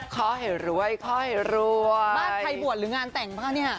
ขอให้รวยค่อยรวยบ้านใครบวชหรืองานแต่งป่ะเนี่ย